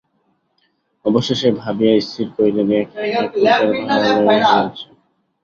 অবশেষে ভাবিয়া স্থির করিলেন, এ একপ্রকার ভালোই হইয়াছে।